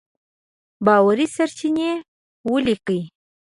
باوري سرچينې وليکئ!.